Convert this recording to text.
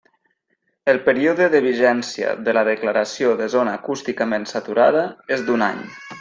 El període de vigència de la declaració de zona acústicament saturada és d'un any.